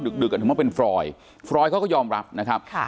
ดึกถึงว่าเป็นฟรอยฟรอยเขาก็ยอมรับนะครับ